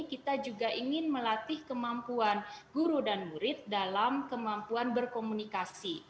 kita juga ingin melatih kemampuan guru dan murid dalam kemampuan berkomunikasi